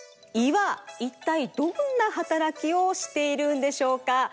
胃はいったいどんな働きをしているんでしょうか？